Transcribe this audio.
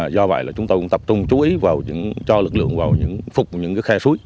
do vậy là chúng tôi cũng tập trung chú ý vào cho lực lượng vào những phục những khe suối